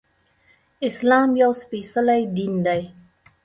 اسلام يو سپيڅلی دين دی